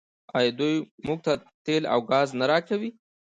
آیا دوی موږ ته تیل او ګاز نه راکوي؟